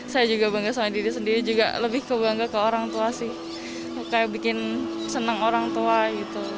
saya juga bangga sama diri sendiri juga lebih ke bangga ke orang tua sih kayak bikin senang orang tua gitu